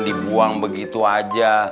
dibuang begitu aja